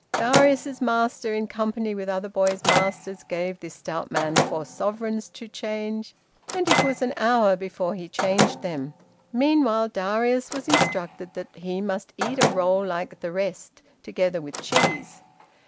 Darius's master, in company, with other boys' masters, gave this stout man four sovereigns to change, and it was an hour before he changed them. Meanwhile Darius was instructed that he must eat a roll like the rest, together with cheese.